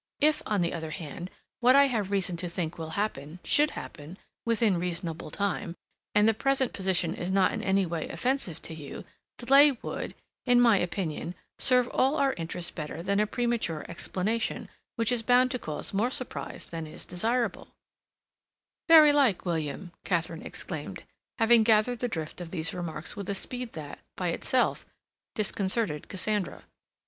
If, on the other hand, what I have reason to think will happen, should happen—within reasonable time, and the present position is not in any way offensive to you, delay would, in my opinion, serve all our interests better than a premature explanation, which is bound to cause more surprise than is desirable—" "Very like William," Katharine exclaimed, having gathered the drift of these remarks with a speed that, by itself, disconcerted Cassandra.